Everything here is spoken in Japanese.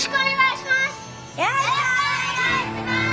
よろしくお願いします！